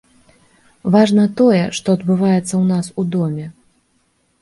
Важна тое, што адбываецца ў нас у доме.